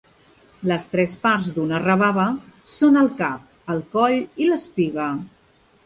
Les tres parts d'una rebava són el cap, el coll i l'espiga.